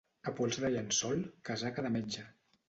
A pols de llençol, casaca de metge.